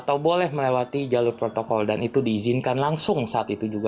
atau boleh melewati jalur protokol dan itu diizinkan langsung saat itu juga